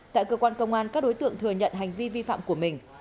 tại cơ quan công an các đối tượng thừa nhận hành vi vi phạm của mình